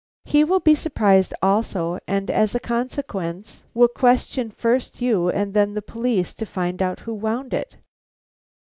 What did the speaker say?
He will be surprised also, and as a consequence will question first you and then the police to find out who wound it.